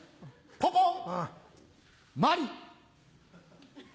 ポポン！